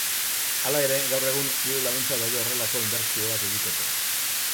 Hala ere, gaur egun, diru laguntzak daude horrelako inbertsioak egiteko.